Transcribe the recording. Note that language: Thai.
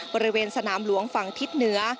บริเวณสนามหลวงฝั่งทิศเหนือ